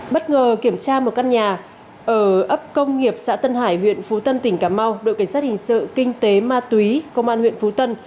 bất ngờ kiểm tra một căn nhà ở ấp công nghiệp xã tân hải huyện phú tân tỉnh cà mau đội cảnh sát hình sự kinh tế ma túy công an huyện phú tân